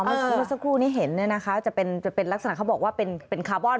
เมื่อสักครู่นี้เห็นจะเป็นลักษณะเขาบอกว่าเป็นคาร์บอน